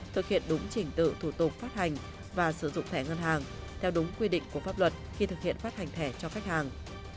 thực hiện đúng trình tự thủ tục phát hành và sử dụng thẻ ngân hàng theo đúng quy định của pháp luật khi thực hiện phát hành thẻ cho khách hàng